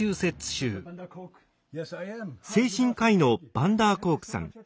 精神科医のヴァンダーコークさん。